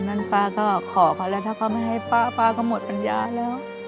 นั้นป้าก็ขอเขาแล้วถ้าเขาไม่ให้ป้าป้าก็หมดปัญญาแล้ว